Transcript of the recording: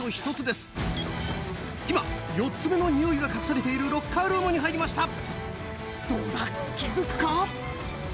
今４つ目のニオイが隠されているロッカールームに入りました。